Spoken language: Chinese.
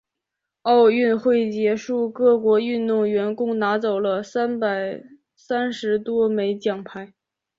奥运会结束，各国运动员共拿走了三百三十多枚奖牌。